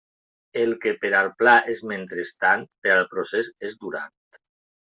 El que per al pla és «mentrestant», per al procés és «durant».